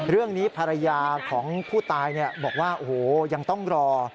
เรื่องนี้ภรรยาของผู้ตายบอกว่าโอ้โหยังต้องรอ